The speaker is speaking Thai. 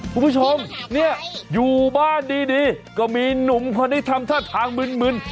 คุณผู้ชมเนี่ยอยู่บ้านดีก็มีหนุ่มคนนี้ทำท่าทางมึน